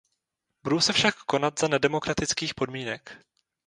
Budou se však konat za nedemokratických podmínek.